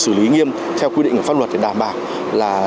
xử lý nghiêm theo quy định của pháp luật để đảm bảo là